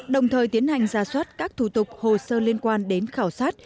đồng thời tiến hành ra soát các thủ tục hồ sơ liên quan đến khảo sát